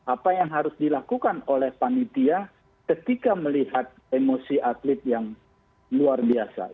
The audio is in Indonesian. apa yang harus dilakukan oleh panitia ketika melihat emosi atlet yang luar biasa